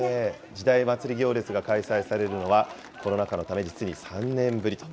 時代祭行列が開催されるのはコロナ禍のため実に３年ぶりと。